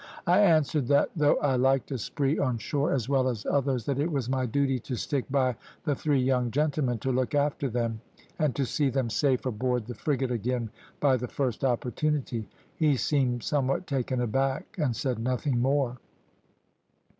I answered, that though I liked a spree on shore as well as others, that it was my duty to stick by the three young gentlemen to look after them, and to see them safe aboard the frigate again by the first opportunity. He seemed somewhat taken aback, and said nothing more.